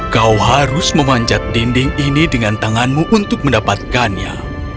kau harus memanjat dinding ini dengan tanganmu untuk mendapatkannya